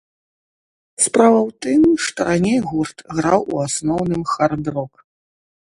Справа ў тым, што раней гурт граў у асноўным хард-рок.